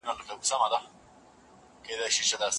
لیکل د جزیاتو په خوندي کولو کي تر اورېدلو دقیق دي.